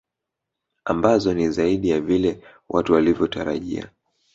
Ambazo ni zaidi ya vile watu walivyotarajia